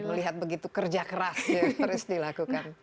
melihat begitu kerja keras ya terus dilakukan